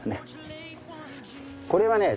これはね